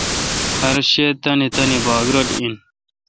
ھر شے°تانی تانی باگ رل این۔